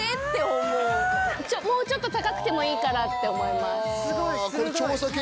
もうちょっと高くてもいいからって思います。